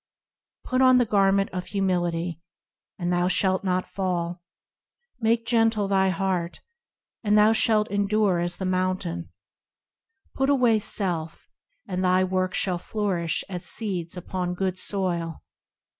Put on the Garment of Humility, and thou shalt not fall ; Make gentle thy heart, and thou shalt endure as the mountain; Put away self, and thy works shall flourish is seed upon good soil.